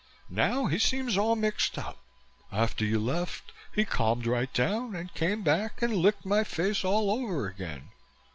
Now he seems all mixed up. After you left, he calmed right down and came back and licked my face all over again.